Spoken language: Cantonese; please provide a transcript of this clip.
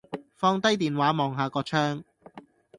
放低電話，望下個窗